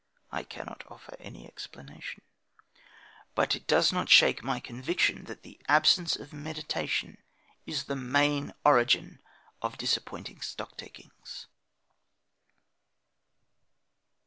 (I cannot offer any explanation.) But it does not shake my conviction that the absence of meditation is the main origin of disappointing stocktakings.